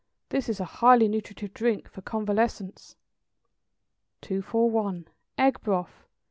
This is a highly nutritive drink for convalescents. 241. =Egg Broth.